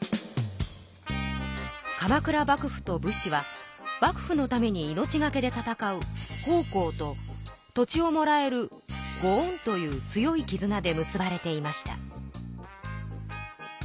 鎌倉幕府と武士は幕府のために命がけで戦う奉公と土地をもらえるご恩という強いきずなで結ばれていました。